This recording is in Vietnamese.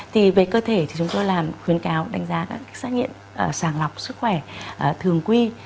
thì về cơ thể thì chúng tôi làm khuyến cáo đánh giá các xét nghiệm sàng lọc sức khỏe thường quy